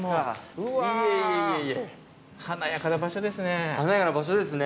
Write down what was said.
うわ華やかな場所ですね。